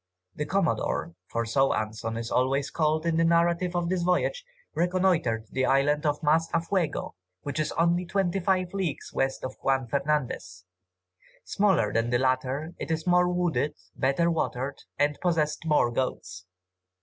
The Commodore, for so Anson is always called in the narrative of this voyage, reconnoitered the Island of Mas a Fuero, which is only twenty five leagues west of Juan Fernandez. Smaller than the latter, it is more wooded, better watered, and possessed more goats.